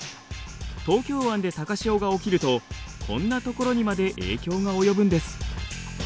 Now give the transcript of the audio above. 東京湾で高潮が起きるとこんなところにまで影響が及ぶんです。